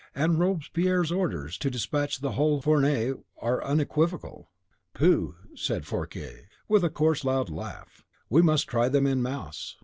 And Robespierre's orders to despatch the whole fournee are unequivocal." "Pooh!" said Fouquier, with a coarse, loud laugh; "we must try them en masse.